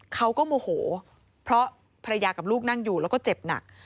โมโหเพราะภรรยากับลูกนั่งอยู่แล้วก็เจ็บหนัก